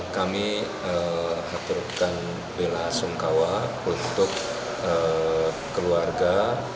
kami mengaturkan wilayah sungkawa untuk keluarga